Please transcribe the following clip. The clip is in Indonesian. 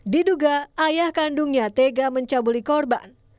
diduga ayah kandungnya tega mencabuli korban